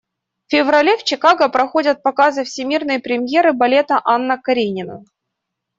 В феврале в Чикаго проходят показы всемирной премьеры балета «Анна Каренина».